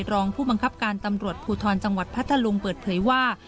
รองผู้บังคับการตำรวจภูทรจังหวัดพัทธลุงเปิดเผยว่า